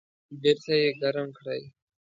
بیرته یې ګرم کړئ